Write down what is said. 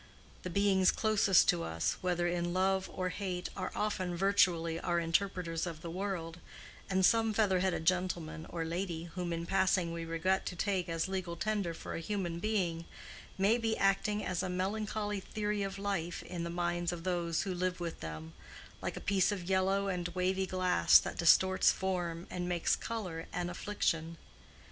The beings closest to us, whether in love or hate, are often virtually our interpreters of the world, and some feather headed gentleman or lady whom in passing we regret to take as legal tender for a human being, may be acting as a melancholy theory of life in the minds of those who live with them—like a piece of yellow and wavy glass that distorts form and makes color an affliction.